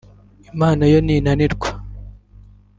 Imana yo ntinanirwa